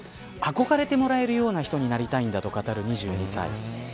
憧れてもらえるような人になりたいんだと語る２２歳。